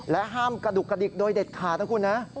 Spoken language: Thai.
ห้ามกระดุกกระดิกโดยเด็ดขาดนะคุณนะ